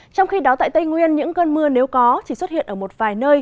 trong khi đó tại tây nguyên những cơn mưa nếu có chỉ xuất hiện ở một vài nơi